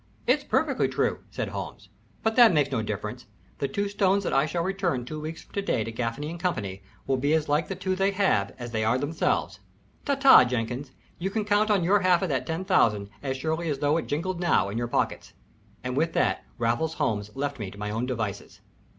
"It's perfectly true," said Holmes, "but that makes no difference. The two stones that I shall return two weeks from to day to Gaffany & Co. will be as like the two they have as they are themselves. Ta ta, Jenkins you can count on your half of that ten thousand as surely as though it is jingled now in your pockets." And with that Raffles Holmes left me to my own devices.